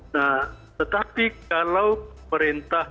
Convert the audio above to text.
nah tetapi kalau perintah